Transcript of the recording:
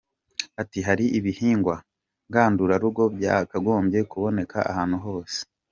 Ati “Hari ibihingwa ngandurarugo byakagombye kuboneka ahantu hose.